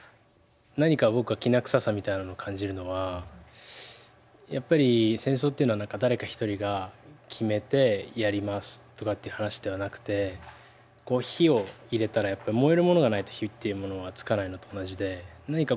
何か僕はきな臭さみたいなのを感じるのはやっぱり戦争っていうのは誰か一人が決めてやりますとかっていう話ではなくてこう火を入れたら燃えるものがないと火っていうものはつかないのと同じで何か